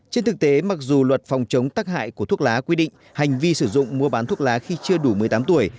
trên thực tế mặc dù luật phòng chống tắc hại của thuốc lá quy định hành vi sử dụng mua bán thuốc lá khi chưa đủ một mươi tám tuổi